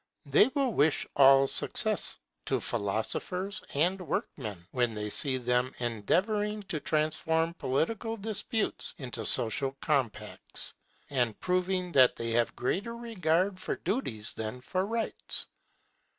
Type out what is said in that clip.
They will wish all success to philosophers and workmen when they see them endeavouring to transform political disputes into social compacts, and proving that they have greater regard for duties than for rights.